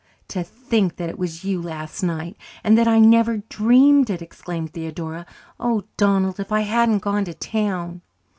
"To think that it was you last night, and that I never dreamed it," exclaimed Theodora. "Oh, Donald, if I hadn't gone to town!"